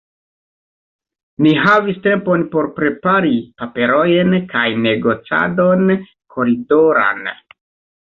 Ni havis tempon por prepari paperojn kaj negocadon koridoran.